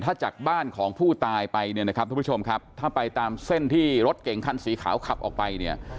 ถ้าจากบ้านของผู้ตายไปถ้าปลายตามเส้นที่รถเก๋งคันสีขาวขับออกไปเนี่ย